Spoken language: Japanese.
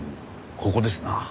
ここですな。